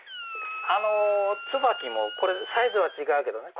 あの椿もこれサイズは違うけどね。